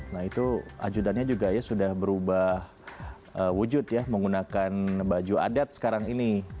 nah itu ajudannya juga ya sudah berubah wujud ya menggunakan baju adat sekarang ini